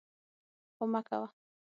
خو مه کوه!